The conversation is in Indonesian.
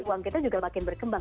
uang kita juga makin berkembang